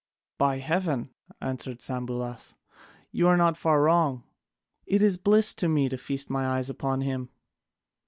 "By heaven," answered Sambulas, "you are not far wrong. It is bliss to me to feast my eyes upon him."